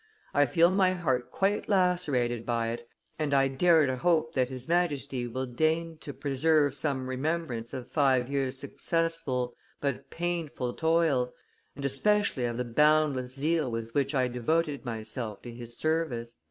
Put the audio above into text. I feel my heart quite lacerated by it, and I dare to hope that his Majesty will deign to. preserve some remembrance of five years' successful but painful toil, and especially of the boundless zeal with which I devoted myself to his service."